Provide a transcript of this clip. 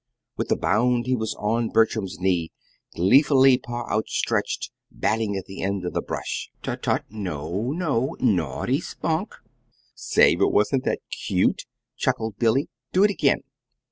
With a bound he was on Bertram's knee, gleeful paw outstretched, batting at the end of the brush. "Tut, tut no, no naughty Spunk! Say, but wasn't that cute?" chuckled Billy. "Do it again!"